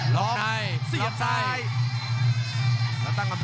ล้อเสียบล้ายล้อสถานกระมาท